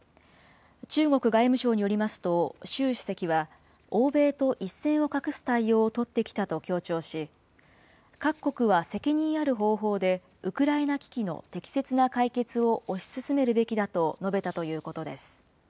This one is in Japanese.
中国外務省によりますと、習主席は、欧米と一線を画す対応を取ってきたと強調し、各国は責任ある方法でウクライナ危機の適切な解決を推し進めるべきだと述べたということです。